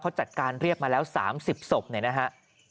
เขาจัดการเรียกมาแล้ว๓๐ศพเนี่ยนะฮะ